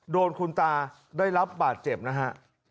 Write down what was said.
โดนคุณตาได้รับบาดเจ็บนะฮะ